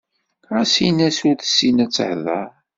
Ɣas in-as ur tessin ad tehder.